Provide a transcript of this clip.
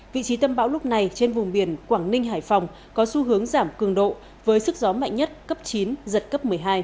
vị trí tâm bão lúc này trên vùng biển quảng ninh hải phòng có xu hướng giảm cường độ với sức gió mạnh nhất cấp chín giật cấp một mươi hai